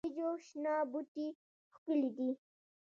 د وریجو شنه پټي ښکلي دي.